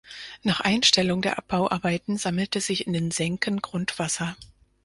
Nach Einstellung der Abbauarbeiten sammelte sich in den Senken Grundwasser.